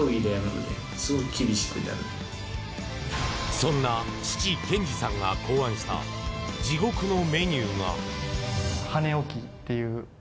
そんな父・兼二さんが考案した地獄のメニューが。